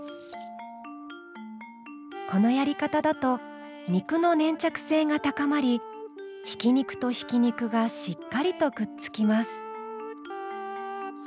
このやり方だと肉の粘着性が高まりひき肉とひき肉がしっかりとくっつきます。